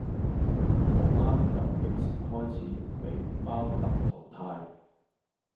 何媽由幾時開始俾包揼淘汰?